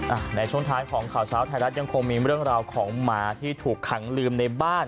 ในช่วงท้ายของข่าวเช้าไทยรัฐยังคงมีเรื่องราวของหมาที่ถูกขังลืมในบ้าน